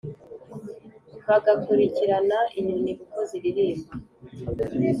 bagakurikirana inyoni uko ziririmba